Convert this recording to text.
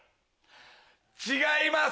違います！